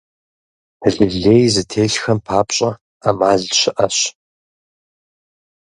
Лы лей зытелъхэм папщӀэ Ӏэмал щыӀэщ.